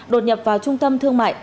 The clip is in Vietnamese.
đột nhập vào trung tâm thương mại